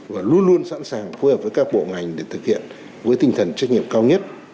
và luôn luôn sẵn sàng phối hợp với các bộ ngành để thực hiện với tinh thần trách nhiệm cao nhất